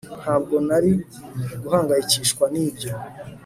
Ntabwo nari guhangayikishwa nibyo